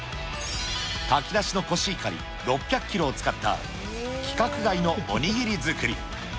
炊き出しのコシヒカリ６００キロを使った規格外のお握り作り。